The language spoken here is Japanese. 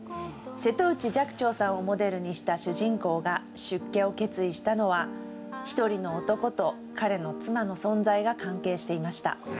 瀬戸内寂聴さんをモデルにした主人公が出家を決意したのは一人の男と彼の妻の存在が関係していました。